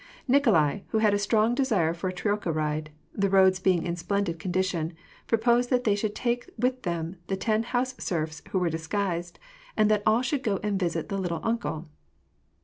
Nikolai, who had a strong desire for a troika ride, the roads being in splendid condition, proposed that they should take with them the ten house serfs, who were disguised, and that all should go and visit the " little uncle."